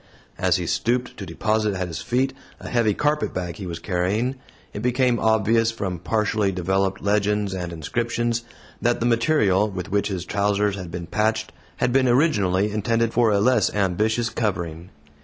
As he stooped to deposit at his feet a heavy carpetbag he was carrying, it became obvious, from partially developed legends and inscriptions, that the material with which his trousers had been patched had been originally intended for a less ambitious covering.